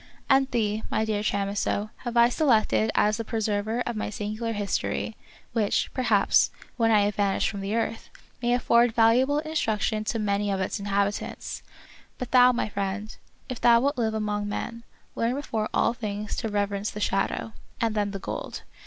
And thee, my dear Chamisso, have I selected as the preserver of my singular history, which, perhaps, when I have vanished from the earth, may afford valuable instruction to many of its inhabitants. But thou, my friend, if thou wilt live among men, learn before all things to rev erence the shadow, and then the gold.